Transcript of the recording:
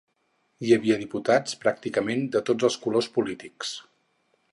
Hi havia diputats pràcticament de tots els colors polítics.